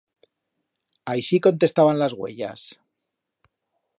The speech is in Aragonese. Aixit contestaban las uellas.